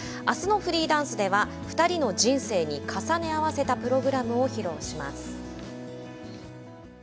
あすのフリーダンスでは２人の人生に重ね合わせたプログラムを披露します。